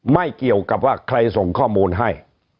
ไม่เกี่ยวกับว่าใครส่งข้อมูลให้